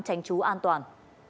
tránh trú an toàn